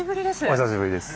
お久しぶりです。